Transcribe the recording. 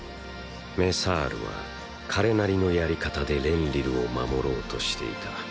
メサールは彼なりのやり方でレンリルを守ろうとしていた。